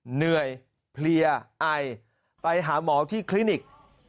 เหนื่อยเพลียไอไปหาหมอที่คลินิก